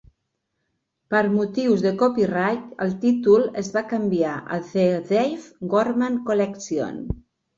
Per motius de copyright, el títol es va canviar a The Dave Gorman Collection.